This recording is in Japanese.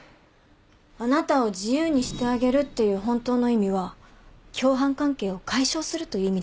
「あなたを自由にしてあげる」っていう本当の意味は共犯関係を解消するという意味ですよね。